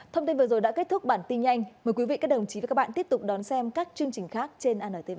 thông tin vừa rồi đã kết thúc bản tin nhanh mời quý vị các đồng chí và các bạn tiếp tục đón xem các chương trình khác trên antv